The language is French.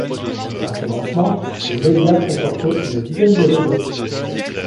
A son lancement, le média comportait une dizaine de rubriques.